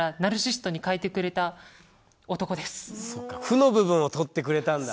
そうか「負」の部分を取ってくれたんだ。